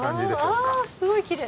あすごいきれい。